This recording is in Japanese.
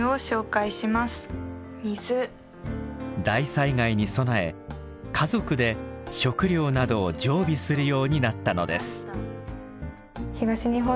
大災害に備え家族で食料などを常備するようになったのです。